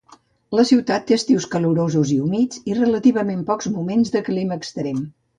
La ciutat té estius calorosos i humits, i relativament pocs moments de clima extrem.